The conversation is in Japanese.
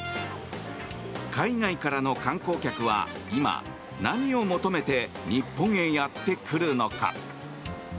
海外からの観光客は今、何を求めて日本へやってくるのか。